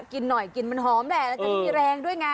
กินหน่อยกินมันหอมได้แล้วมันมีแรงด้วยไง